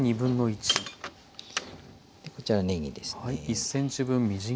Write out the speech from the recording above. こちらねぎですね。